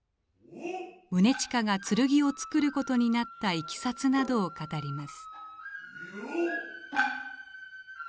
宗近が剣を作ることになったいきさつなどを語ります。